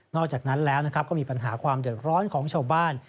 อกจากนั้นแล้วก็มีปัญหาความเดือดร้อนของชาวบ้าน